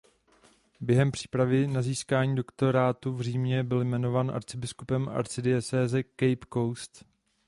Během přípravy na získání doktorátu v Římě byl jmenován arcibiskupem arcidiecéze Cape Coast.